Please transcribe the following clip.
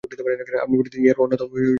আপনি বলিতেছেন, ইহার অন্যথা হইবে না।